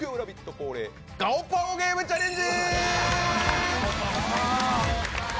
恒例「ガオパオゲーム」チャレンジ。